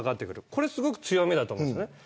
これは強みだと思うんです。